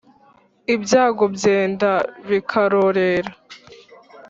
Ibyago byenda bikarorera.